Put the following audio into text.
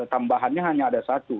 tambahannya hanya ada satu